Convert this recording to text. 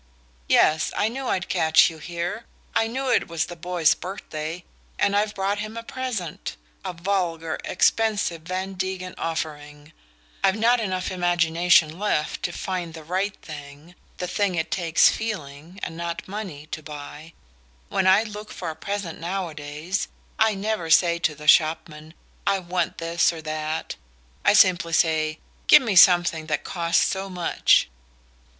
"Yes, I knew I'd catch you here. I knew it was the boy's birthday, and I've brought him a present: a vulgar expensive Van Degen offering. I've not enough imagination left to find the right thing, the thing it takes feeling and not money to buy. When I look for a present nowadays I never say to the shopman: 'I want this or that' I simply say: 'Give me something that costs so much.'"